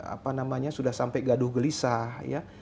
apa namanya sudah sampai gaduh gelisah ya